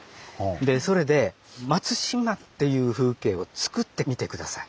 それで松島っていう風景をつくってみて下さい。